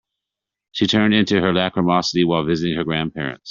She turned into her lachrymosity while visiting her grandparents.